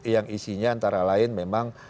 yang isinya antara lain memang